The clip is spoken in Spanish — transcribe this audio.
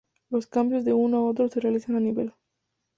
Los cambios de uno a otro se realizan a nivel.